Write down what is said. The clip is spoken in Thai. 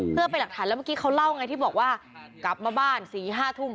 เพื่อไปหลักฐานแล้วเมื่อกี้เขาเล่าไงที่บอกว่ากลับมาบ้าน๔๕ทุ่ม